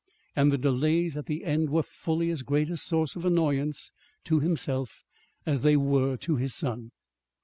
And the delays at the end were fully as great a source of annoyance to himself, as they were to his son.